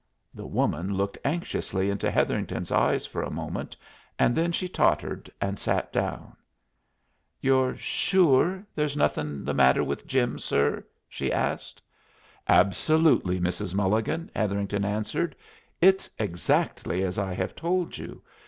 The woman looked anxiously into Hetherington's eyes for a moment, and then she tottered and sat down. "You're sure there's nothin' the matter with Jim, sir?" she asked. "Absolutely, Mrs. Mulligan," Hetherington answered. "It's exactly as I have told you.